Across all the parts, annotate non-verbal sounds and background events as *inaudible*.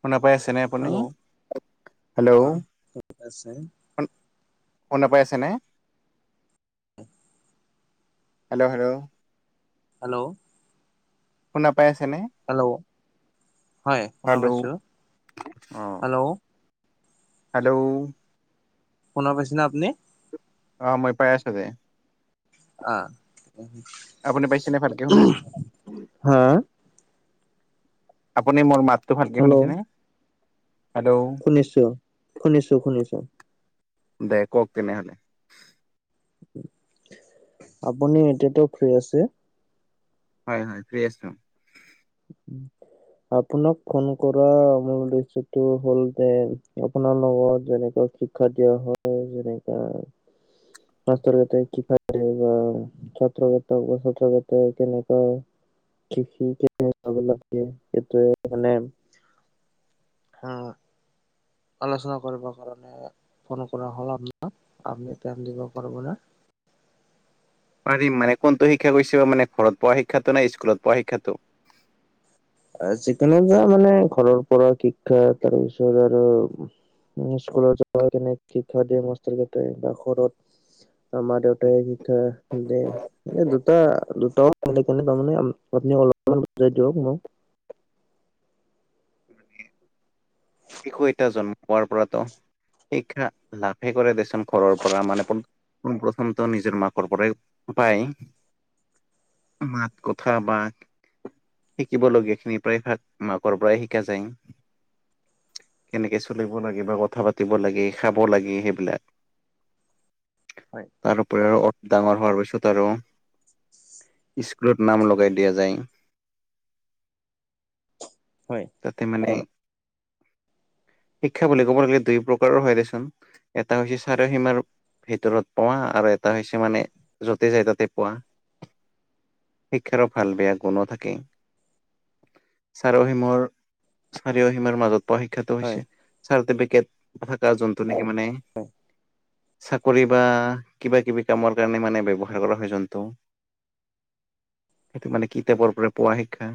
শুনা পাই আছে নে হেল্ল' হেল্ল' অ ঠিক আছে শুনা পাই আছানে হেল্ল হেল্ল' হেল্লো' শুনা পাই আছে নে? হেল্লো' হয় শুনা হেল্ল' পাইছোঁ হেল্লো' হেল্লো' শুনা পাইছা নে আপুনি? অ মই পাই আছো দে। অ, আপুনি পাইছেনে ভালকে শুনা, হা আপুনি মোৰ মাত- টো ভালকে হেল্ল' শুনিছা নে? শুনিছো শুনিছো শুনিছো। দে কওক তেনেহ'লে - আপুনি এতিয়াতো ফ্ৰী আছে? হয় হয় ফ্ৰী আছোঁ। উম আপোনাক ফোন কৰা মূল উদ্দেশ্যটো হ'ল যে আপোনাৰ লগত যেনেকৈ *unintelligible* *unintelligible* *unintelligible* আলোচনা কৰিব কাৰণে ফোন কৰা হল আপোনাক, আপুনি টাইম দিব পাৰিব নে? পাৰিম মানে কোনটো শিক্ষা কৈছা মানে ঘৰত পঢোৱা শিক্ষাটো নাই স্কুলত পঢোৱা শিক্ষাটো? যি কোনো মানে ঘৰৰ পৰা শিক্ষা তাৰপিছত আৰু - উ স্কুলত যাব কেনে শিক্ষা দিয়ে মাষ্টৰ কেইটাই বা ঘৰত। আমাৰ দেউতাই যি শিক্ষা দিয়ে মানে দু টা দুটাও তাৰ মানে আপুনি অলপমান বজাই দিয়ক মোক। শিশু এটা জন্ম হোৱাৰ পৰাতো শিক্ষা লাভে কৰে দেচোন। ঘৰৰ পৰা মানে পোন প্ৰথমটো নিজৰ মাকৰ পৰাই পায়। মাত কথা বা শিকিব লগীয়া খিনি প্ৰায়ভাগ মাকৰ পৰাই শিকা যায়। কেনেকে চলিব লাগে বা কথা পাতিব লাগে খাব লাগে সেইবিলাক। হয় তাৰপৰি আৰু অট ডাঙৰ হোৱাৰ পিছত আৰু- স্কুলত নাম লগাই দিয়া যায়। হয়। তাতে মানে শিক্ষা বুলি ক'ব গলে দুই প্ৰকাৰৰ হয় দেচোন এটা হৈছে চাৰিসীমাৰ ভিতৰত পোৱা আৰু এটা হৈছে মানে য'তে যাই তাতে পোৱা। শিক্ষাৰো ভাল বেয়া গুণো থাকে। চাৰিসিমৰ চাৰিও অসীমাৰ মাজত পোৱা শিক্ষাটো হয় হৈছে চাৰ্টিফিকেট থকা জোন টো নেকি মানে চাকৰি বা কিবা কিবি কামৰ কাৰণে মানে ব্যৱহাৰ কৰা হয় জোনটো। সেইটো মানে কিতাপৰ পৰা পোৱা শিক্ষা।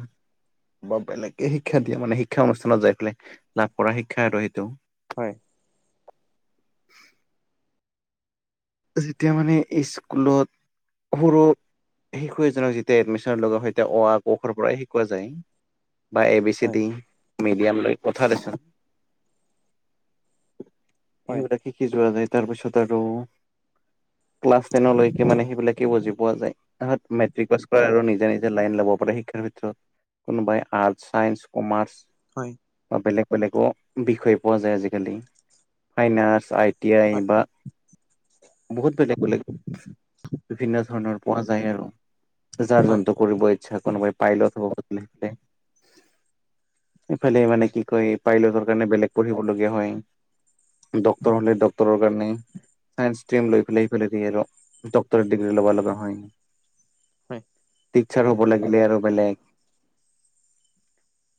ব বেলেগকে শিক্ষা দিয়া মানে শিক্ষা অনুষ্ঠানত যাই পেলাই লাভ কৰা শিক্ষা আৰু সেইটো। হয়। যেতিয়া মানে স্কুলত সৰু শিশু এজনক যেতিয়া এডমিশ্যন লগা হয় অ আ ক খ ৰ পৰাই শিকোৱা যায়। বা এ বি চি হয় দি মিডিয়াম লৈ কথা দেখা। হয় সেইবিলাক শিকি যোৱা যায় তাৰপিছত আৰু ক্লাছ টেনলৈকে মানে সেইবিলাকে বুজি পোৱা যায়। তাত মেট্ৰিক পাছ কৰা আৰু নিজে নিজে লাইন লব পাৰে শিক্ষাৰ ক্ষেত্ৰত। কোনোবাই আৰ্টছ চাইন্ঞ্চ কমাৰ্চ হয়। বা বেলেগ বেলেগো বিষয় পোৱা যায় আজিকালি ফাইনান্স, আই টি আই বা বহুত বেলেগ বেলেগ বিভিন্ন ধৰণৰ পোৱা যায় আৰু। যাৰ হয় যন্ত কৰিব ইচ্ছা কোনোবাই পাইলট হব ইফালে হয় হয় হয় মানে কি কয় পাইলটৰ কাৰণে বেলেগ পঢ়িবলগীয়া হয়। ডক্তৰ হ'লে ডক্তৰ কাৰণে চাইন্স ষ্টিম লৈ পেলাই সিফালে দি আৰু ডক্তৰ ডিগ্ৰী ল'ব লগা হয়। হয়। ট্ৰিছাৰ হ'ব লাগিলে আৰু বেলেগ।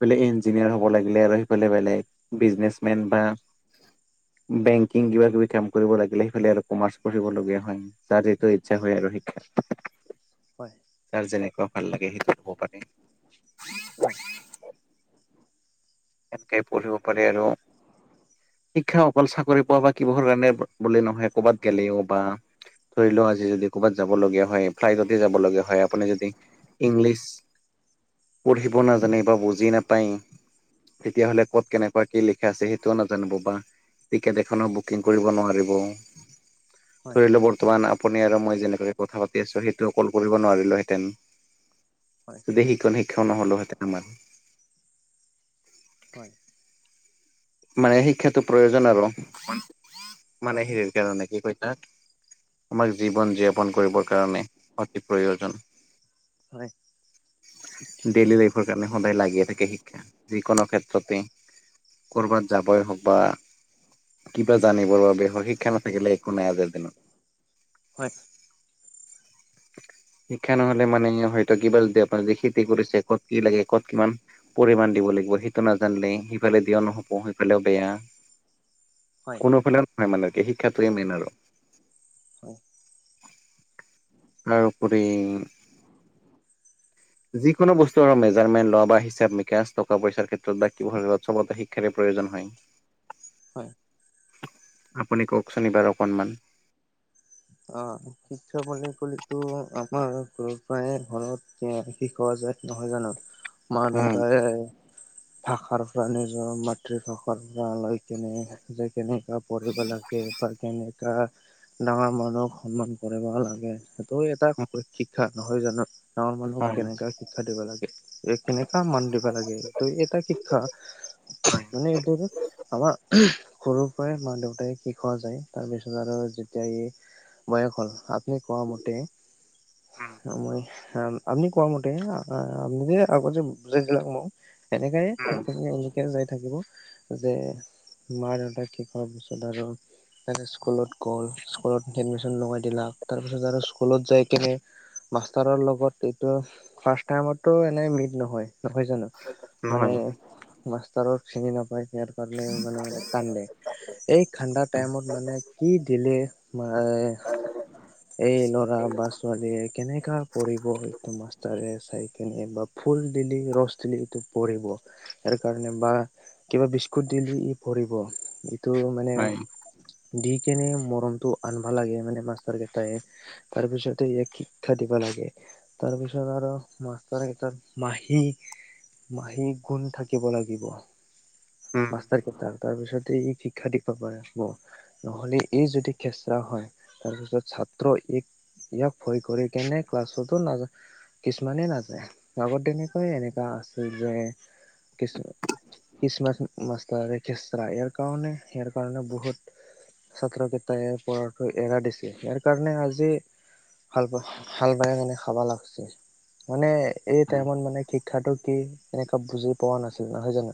বেলেগ ইঞ্জিনিয়াৰ হ'ব লাগিলে আৰু সেইফালে বেলেগ বিজনেচমেন বা বেংকিং কিবা কিবি কাম কৰিব লাগিলে সেইফালে আৰু কমাৰ্চ পঢ়িবলগীয়া হয়। যাৰ যিটো ইচ্ছা হয় আৰু শিক্ষা হয়। যাৰ যেনেকুৱা ভাল লাগে সেইটোত হ'ব পাৰে। হয়। এনেকৈ পঢ়িব পাৰি আৰু। শিক্ষা অকল চাকৰি পোৱা বা কিবাহৰ কাৰণে বুলি নহয় ক'বাত গেলেও বা ধৰি লোৱা আজি যদি কবাত যাব লগীয়া হয় ফ্লাইটতে যাব লগীয়া হয় আপুনি যদি ইংলিছ পঢ়িব নাজানে বা বুজি নাপায় তেতিয়াহ'লে ক'ত কেনেকুৱা কি লিখা আছে সেইটোও নাজানিব বা টিকেট এখনৰ বুকিং কৰিব নোৱাৰিব ধৰিল বৰ্তমান আ আপুনি আৰু মই যেনেকৈ কথা পাতি আছো সেইটো কল কৰিব নোৱাৰিলোহেতেন যদি সিকণ শিক্ষাও নহ'লো হেঁতেন আমাৰ হয় মানে শিক্ষাটো প্ৰয়োজন আৰু মানে হয় হেৰিৰ কাৰণে কি কয় তাক আমাক জীৱন যেপন কৰিবৰ কাৰণে অতি প্ৰয়োজন হয় ডেইলী লাইফৰ কাৰণে সদায় লাগিয়ে থাকে শিক্ষা যিকোনো ক্ষেত্ৰতেই ক'ৰবাত যাবই হওক বা কিবা জানিবৰ বাবে হওক শিক্ষা নাথাকিলে একো নাই আজিৰ দিনত হয় শিক্ষা নহলে মানে হয়তো কিবা যদি আপোনাৰ খেতি কৰিছে ক'ত কি লাগে ক'ত কিমান পৰিমাণ দিব লাগিব সেইটো নাজানিলে সিফালে দিয়াও নহ'ব সিফালেও বেয়া *unintelligible* কোনোফালে নহয় মানে কি শিক্ষাটোৱে মেইন আৰু হয় তাৰ উপৰি *unintelligible* যিকোনো বস্তু আৰু মেজাৰমেণ্ট লোৱা বা হিচাপ মিকাচ টকা পইচাৰ ক্ষেত্ৰত বা *unintelligible* চবতে শিক্ষাৰে প্ৰয়োজন হয় হয় আপুনি কওকচোন এইবাৰ অকনমান অ শিক্ষা বুলি কলেতো আমাৰ সৰুৰ পায়ে ঘৰত এ শিকোৱা যায় নহয় জানো মা উম দেউতাই ভাষাৰ পৰা নিজৰ মাতৃভাষাৰ পৰা লৈ কিনে যেকুনো পঢ়িব লাগে বা কেনেকা ডাঙৰ মানুহক সন্মান কৰিব লাগে এয়ে এটা শৈ শিক্ষা নহয় জানো ডাঙৰ মানুহক হয় কেনেকা শিক্ষা দিব লাগে। এইখিনি কাম মান দিব লাগে ত এই এটা শিক্ষা হয় মানে এটো হল আমাৰ সৰুৰ পৰাই মাক দেউতাই শিকোৱা যায় তাৰ পিছত আৰু যেতিয়া এই বয়স হ'ল আপুনি কোৱা মতে উম মই হাল আপুনি কোৱা মতে আ আপুনি যে আগত বুজাই দিলাক মোক এনেকাই ঠিক থাকিলে এনেকাই যাই থাকিব যে মা দেউতাক শিকাৰ পিছত আৰু সেতে স্কুলত গ'ল কত এডমিশ্যন লগাই দিলাক তাৰপিছত আৰু স্কুলত যাই কিনে মাষ্টাৰৰ লগত এইটো ফাৰ্ষ্ট টাইমতটো এনে মিট নহয়। নহয় জানো মানে নহয় মাষ্টাৰক চিনি নাপায় সেত কাৰণে মানে কান্দে। এই খাণ্ডা টাইমত মানে কি দিলে মাৰে এই ল'ৰা বা ছোৱালীয়ে কেনেকা পঢ়িব এইটো মাষ্টাৰে চাই কিনে বা ফুল দিলি ৰছ দিলি এইটো পৰিব তাৰ কাৰণে বা কিবা বিস্কুট দিলি ই পৰিব। ত' মানে হয় দি কেনে মৰমটো আনবা লাগে মানে মাষ্টাৰ গিটাই। তাৰ পিছতে ইয়াক শিক্ষা দিব লাগে। তাৰপিছত আৰু মাষ্টৰ কেটাক মাহী মাহী গুণ থাকিব লাগিব। উম মাষ্টাৰ কেইটা তাৰ পিছতে ই শিক্ষা দিব পাৰিব নহলে এই যদি খেচৰা হয় তাৰপিছত ছাত্ৰ ই ইয়াক ভয় কৰি কিনে ক্লাছতো নাযা কিছুমানে নাযায় আগত তেনেকাই এনেকা আছিল যে কিছু কিছুমান মাষ্টাৰ খেশ্ৰা ইয়াৰ কাৰণে- ইয়াৰ কাৰণে বহুত ছাত্ৰ কেইটাই পঢ়াটো এৰা দিছে, ইয়াৰ কাৰণে আজি হাল বা - হাল বাই মানে খাবা লাগছে। মানে এই টাইমত মানে শিক্ষাটো কি এনেকা বুজি পোৱা নাছিল নহয় জানো।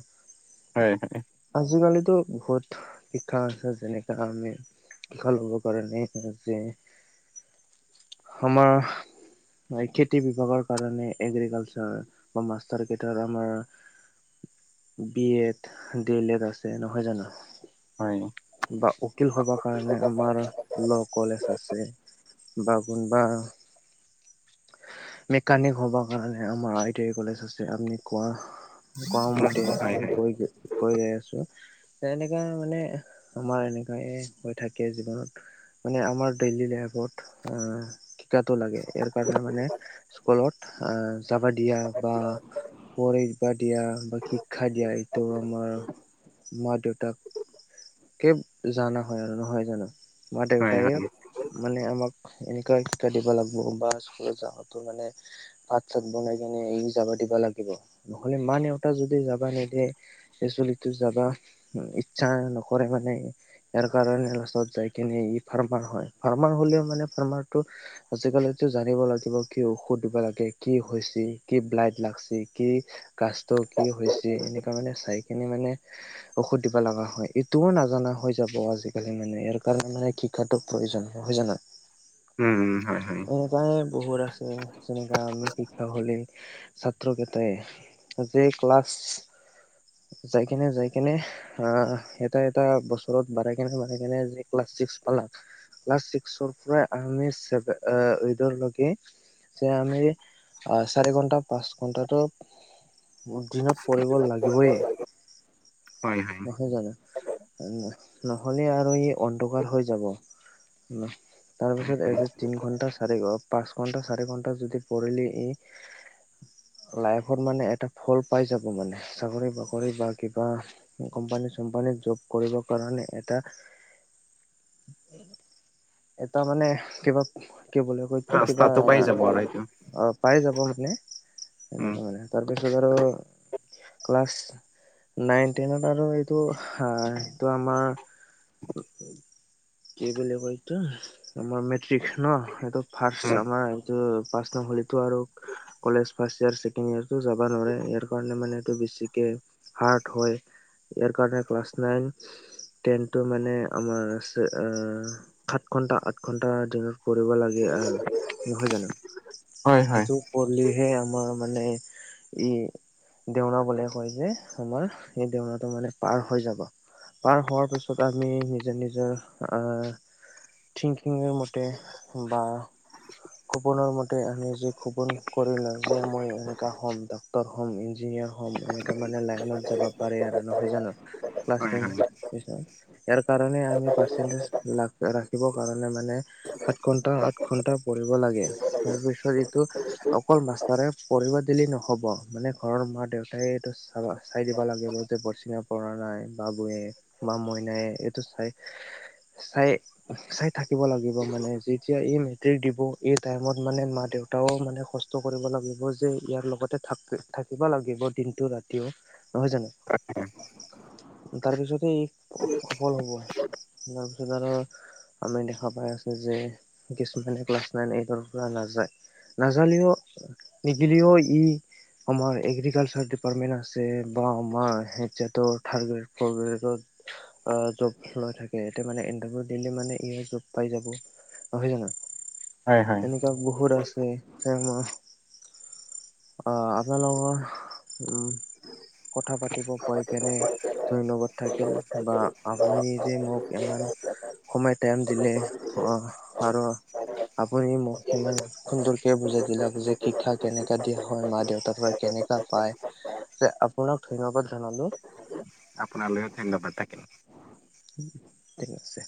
হয় - হয়। আজিকালিতো বহুত শিক্ষা আছে যেনেকা আমি শিক্ষা লবৰ কাৰণে যে আমাৰ হয় খেতি বিভাগৰ কাৰণে এগ্ৰিকালচাৰ বা মাষ্টৰ কেইটাৰ আমাৰ B Ed, D, El Ed আছে নহয় জানো। হয়। বা উকিল হবাহ কাৰণে আমাৰ ল' কলেজ আছে বা কোন বা মেকানিক হবাৰ কাৰণে আমাৰ আই টি আই কলেজ আছে আপনি কোৱা কোৱা মতে হয় লৈ গৈ গৈয়ে আছো, এনেকা মানে আমাৰ এনেকাই হৈ থাকে জীৱনত মানে আমাক ডেইলী লাইফত আহ শিক্ষাটো লগে ইয়াৰ কাৰণে মানে স্কুলত আহ যাবা দিয়া বা পঢ়িবা দিয়া বা শিক্ষা দিয়া এইটো আমাৰ মা দেউতাক কেব জানা হয় আৰু নহয় জানো, মা হয় হয় দেউতাই হয় মানে আমাক এনেকুৱা শিক্ষা দিব লাগিব বা স্কুলত যাৱাতো মানে ভাত চাত বনাই কিনে এ যাবা দিবা লাগিব নহ'লে মা দেউতা যদি যাবা নিদিয়ে চলিতটো যাবা ইচ্ছা নকৰে মান ইয়াৰ কাৰণে লাষ্টত যাই কিনে ই ফাৰ্মাৰ হয় ফাৰ্মাৰ হলেও মানে ফাৰ্মাৰটো আজিকালিতো জানিব লাগিব কি ঔষধ দিব লাগে, কি হৈচি, কি ব্লাড লাগচি, কি কাষ্ট টো কি হৈছে এনেকা মানে চাই কিনি মানে ঔষধ দিবা লগা হয়, এইটোও নাজানা হৈ যাব আজিকালি মানে ইয়াৰ কাৰণে মানে শিক্ষাটো প্ৰয়োজন নহয় জানো। উম হয় হয় অ'। প্ৰায় বহুত আছে যেনেকা আমি শিক্ষক হলি ছাত্ৰকেইটাই যে ক্লাছ যাই কেনে- যাই কেনে অ, এটা- এটা বস্তু ঘৰত বাঢ়াই কেনে বাঢ়াই কেনে যি ক্লাছ ছিক্স পালাক। ক্লাচ ছিক্সৰ পৰা আনি ছ এইটৰ লৈকে যে আমি চাৰি ঘন্টা পাঁচ ঘন্টাটো উম দিনত পঢ়িব লাগিবয়ে। হয় হয় নহয় জানো? নহলে আৰু এই অন্ধকাৰ হৈ যাব তাৰ পিছত এই তিন ঘন্টা চাৰি পাঁচ ঘন্টা চাৰি ঘন্টা যদি পঢ়িলে ই লাইফত মানে এটা ফল পাই যাব মানে চাকৰি বাকৰি বা কিবা কোম্পানী চম্পানীত জব কৰিব কাৰণে এটা এটা মানে কিবা কি বুলে হয়টো কিবা ৰাস্তাটো পাই যাব আৰু এইটো অ, পাই যাব মানে উম এনেকে মানে তাৰপিছত আৰু ক্লাছ নাইন টেনত আৰু এইটো, আ তো আমাৰ কি বুলি কয় এইটো আমাৰ মেট্ৰিক ন? এইটো ফাৰ্ষ্ট আমাৰ এইটো পাঁচ নাহলীটো আৰু college first year second year টো যাবা নোৰে ইয়াৰ কাৰণে মানে এইটো বেছিকে হাৰ্ট হয় ইয়াৰ কাৰণে ক্লাছ নাইন টেনটো মানে আমাৰ আছে আ সাত ঘন্টা, আঠ ঘন্টা দিনত কৰিব লাগে আৰু নহয় জানো? হয় হয় এইটো পলিহে আমাৰ মানে ই দেওনা বোলে কয় যে আমাৰ এই দেওনাটো মানে পাৰ হৈ যাব। পাৰ হোৱাৰ পিছত আমি নিজৰ-নিজৰ আহ থিংকিংৰ মতে বা খপনৰ মতে আমি যি খপন কৰিলা যে মই এনেকা হম। তৰ হ'ম, ইঞ্জিয়াৰ হ'ম। ইনেকা মনে লাইনত যাব পাৰে আৰু নহয় জনো? লাছ হয় তে পিছত ইয়াৰ কাৰণে আমি পাৰ্চেন্টেজ ৰাখিবৰ কাৰণে মানে সাত ঘন্টা, আঠ ঘন্টা পৰিব লাগে তাৰ পিছত এইটো অকল মাষ্টাৰে পঢ়িব দিলি নহ'ব মানে ঘৰৰ মা - দেউতাই এইটো চ চাই দিব লাগিব। তে পাৰ্চী না পৰা নাই বাবুৱে বা মইনায়ে এইটো চাই-চাই চাই থাকিব লাগিব মানে যেতিয়া এই মেট্ৰিক দিব এই টাইমত মানে মা - দেউ এটাও মানে কষ্ট কৰিব লাগিব যে ইয়াৰ লগতে থাক থাকিব লাগিব দিনটো ৰাতিও। নহয় জানো? হয় তাৰ পিছতে সফল হব, তাৰপিছত আৰু আমি দেখা পাই আছোঁ যে কিছুমানে ক্লাছ নাইন এইটৰ পৰা নাযায় নাজানিলেও, নিদিলেও ই অমৰ এগ্ৰিকালচাৰ ডিপাৰ্টমেণ্ট আছে বা আমাৰ *unintelligible* কবেতো আ জব লৈ থাকে এতিয়া মানে ইটাৰভিউ দিলে মানে এই জব পাই যাব। নহয় জানো? হয়, হয়। এনেকুৱা বহুত আছে *unintelligible* আ আপোনালোকৰ উম। কথা পাতিব পাই কিনে ধন্যবাদ থাকিল বা আপুনি যে মোক ইমান সময় টাইম দিলে আহ আৰু আপুনি মোক সিমান সুন্দৰকে বুজাই দিলাক যে শিক্ষা কেনেকা দিয়া হয় মা - দেউতাৰ পৰা কেনেকা পায়। যে আপোনাক ধন্যবাদ জনালোঁ। আপোনালৈও ধন্যবাদ থাকিল। ঠিক আছে।